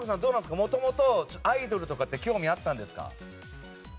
もともとアイドルとかって興味あったんですか？